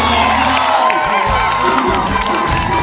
ร้องได้ร้องได้ร้องได้ร้องได้